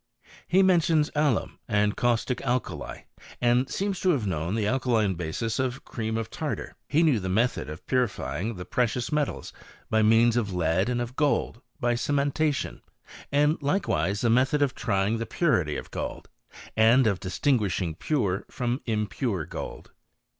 li He mentions alum and caustic alkali, and aeci to have known the alkaline basis of cream of tait He knew the method of purifybg the precious jmt OT ALCHTMT. 33 l^i&cansof lead and of gold, by cementation; and ''(^ise the method of trying the purity of gold, and ^ dktinguishing pure from impure gold.